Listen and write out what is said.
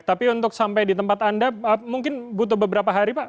tapi untuk sampai di tempat anda mungkin butuh beberapa hari pak